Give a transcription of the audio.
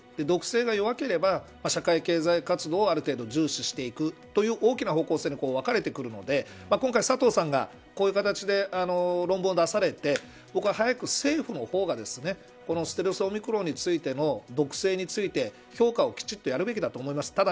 毒性が弱ければ社会経済活動をある程度、重視していくという大きな方向性が分かれてくるので今回、佐藤さんがこういう形で論文を出されて僕は早く、政府の方がこのステルスオミクロンについての毒性について評価をきちんとやるべきだと思います。